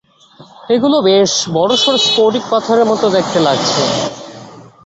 এগুলো বেশ বড়সড় স্ফটিক পাথরের মতো দেখতে লাগছে!